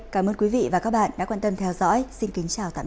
cảm ơn các bạn đã theo dõi